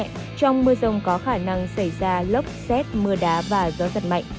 trong mưa rông có khả năng xảy ra lốc xét mưa đá và gió giật mạnh